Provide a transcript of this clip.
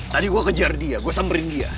tadi gue kejar dia gue samperin dia